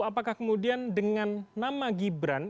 apakah kemudian dengan nama gibran